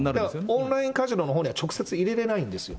オンラインカジノのほうには直接入れれないんですよ。